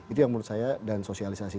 itu yang menurut saya dan sosialisasi